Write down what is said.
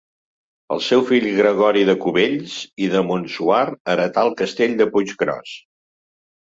El seu fill Gregori de Cubells i de Montsuar heretà el castell de Puiggròs.